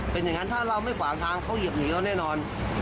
เป็นอย่างนั้นถ้าเราไม่ขวางทางเขาเหยียบหนีเราแน่นอน